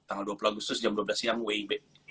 tanggal dua puluh agustus jam dua belas siang wib